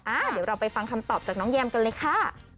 เดี๋ยวเราไปฟังคำตอบจากน้องแยมกันเลยค่ะ